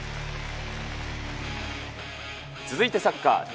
続いてサッカー。